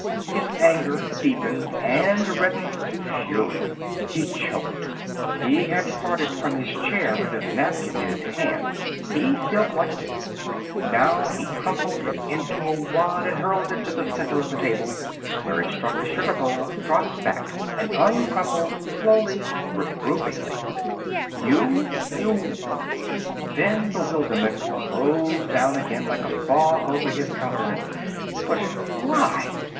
His anger deepened and reddened to fury. He choked. He had started from his chair with his napkin in his hand. He still clutched it. Now he crumpled it into a wad and hurled it to the center of the table, where it struck a sugar bowl, dropped back, and uncrumpled slowly, reprovingly. "You you " Then bewilderment closed down again like a fog over his countenance. "But why?